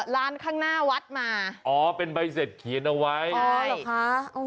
ร้านข้างหน้าวัดมาอ๋อเป็นใบเสร็จเขียนเอาไว้ใช่ค่ะ